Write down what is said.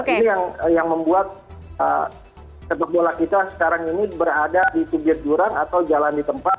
ini yang membuat sepak bola kita sekarang ini berada di tubir jurang atau jalan di tempat